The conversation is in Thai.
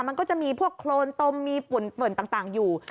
มันก็จะมีพวกโครนตมมีปุ่นต่างอยู่